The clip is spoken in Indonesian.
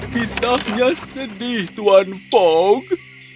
kisahnya sedih tuan fogg